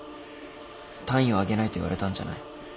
単位をあげないと言われたんじゃない？